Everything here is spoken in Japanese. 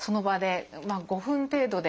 まあ５分程度で。